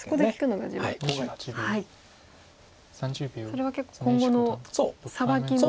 それは結構今後のサバキの。